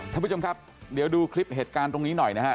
ท่านผู้ชมครับเดี๋ยวดูคลิปเหตุการณ์ตรงนี้หน่อยนะฮะ